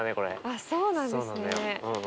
あっそうなんですね。